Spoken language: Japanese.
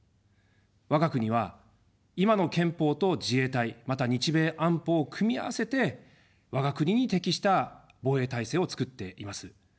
我が国は今の憲法と自衛隊、また日米安保を組み合わせて我が国に適した防衛体制を作っています。